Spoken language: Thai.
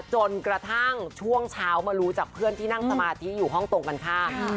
จนกระทั่งช่วงเช้ามารู้จากเพื่อนที่นั่งสมาธิอยู่ห้องตรงกันข้าม